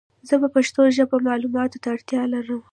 زه په پښتو ژبه مالوماتو ته اړتیا لرم